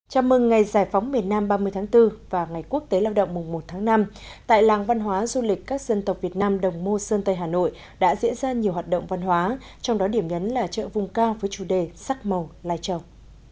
chào mừng ngày giải phóng miền nam ba mươi tháng bốn và ngày quốc tế lao động mùng một tháng năm tại làng văn hóa du lịch các dân tộc việt nam đồng mô sơn tây hà nội đã diễn ra nhiều hoạt động văn hóa trong đó điểm nhấn là chợ vùng cao với chủ đề sắc màu lai trồng